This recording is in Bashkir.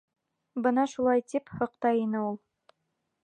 Бына шулай тип һыҡтай ине ул.